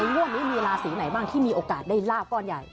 งวดนี้มีราศีไหนบ้างที่มีโอกาสได้ลาบก้อนใหญ่